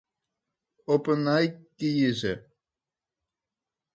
Op 'e nij kieze.